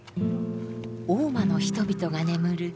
大間の人々が眠る